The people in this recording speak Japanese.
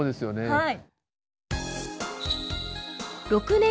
はい。